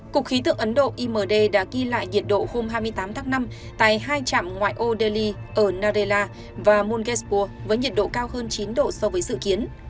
cục khí tượng ấn độ imd đã ghi lại nhiệt độ hôm hai mươi tám tháng năm tại hai trạm ngoại ô delhi ở narela và mongesburg với nhiệt độ cao hơn chín độ so với dự kiến